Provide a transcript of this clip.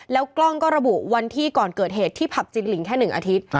แล้วกล้องก็ระบุวันที่ก่อนเกิดเหตุที่ผับจินลิงแค่๑อาทิตย์